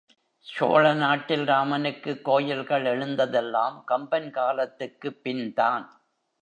சோழ நாட்டில் ராமனுக்குக் கோயில்கள் எழுந்ததெல்லாம் கம்பன் காலத்துக்குப் பின்தான்.